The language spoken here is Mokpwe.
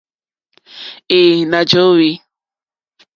Ɛ̄ɛ̄, nà jóhwì.